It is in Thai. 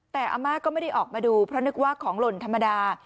แต่อาม่าก็ไม่ได้ออกมาดูเพราะนึกว่าของหล่นธรรมดา